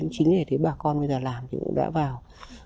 chính vì thế bà con bây giờ làm thì cũng đã vào